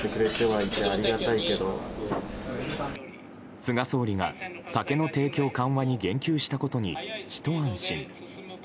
菅総理が酒の提供緩和に言及したことにひと安心。